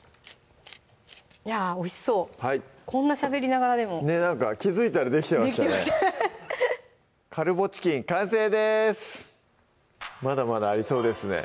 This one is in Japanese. いやぁおいしそうこんなしゃべりながらでもなんか気付いたらできてましたね「カルボチキン」完成ですまだまだありそうですね